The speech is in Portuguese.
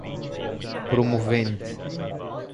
promovente